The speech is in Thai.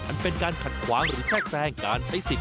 อันเป็นการขัดขวางหรือแทรกแทรงการใช้สิทธิ